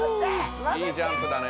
いいジャンプだね。